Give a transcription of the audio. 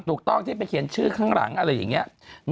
ถูกต้องที่ไปเขียนชื่อข้างหลังอะไรอย่างนี้